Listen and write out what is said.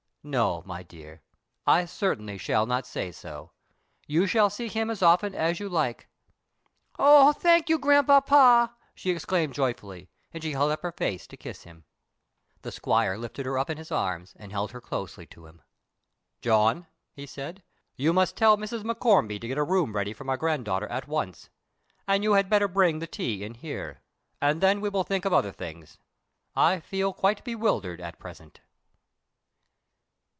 "No, my dear, I certainly shall not say so. You shall see him as often as you like." "Oh, thank you, grandpapa!" she exclaimed joyfully, and she held up her face to kiss him. The squire lifted her in his arms and held her closely to him. "John," he said, "you must tell Mrs. Morcombe to get a room ready for my grand daughter at once, and you had better bring the tea in here, and then we will think of other things. I feel quite bewildered at present."